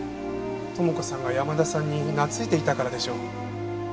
友子さんが山田さんに懐いていたからでしょう。